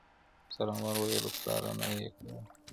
څارونوال ویله پلاره نې کوومه,